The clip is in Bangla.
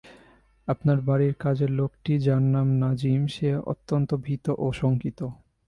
আপনার বাড়ির কাজের লোকটি, যার নাম নাজিম, সে অত্যন্ত ভীত ও শঙ্কিত।